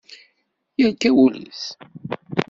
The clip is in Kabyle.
Yerka wul-is.